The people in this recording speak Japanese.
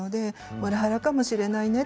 モラハラかもしれないね